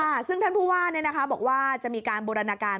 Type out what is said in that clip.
ค่ะซึ่งท่านผู้ว่าเนี่ยนะคะบอกว่าจะมีการบูรณาการ